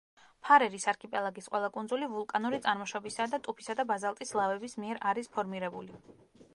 ფარერის არქიპელაგის ყველა კუნძული ვულკანური წარმოშობისაა და ტუფისა და ბაზალტის ლავების მიერ არის ფორმირებული.